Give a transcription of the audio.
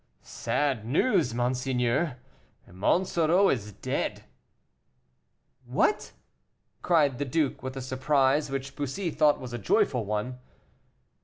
"Sad news, monseigneur; Monsoreau is dead." "What!" cried the duke, with a surprise which Bussy thought was a joyful one.